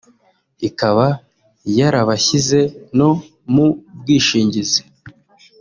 ikaba yarabashyize no mu bwishingizi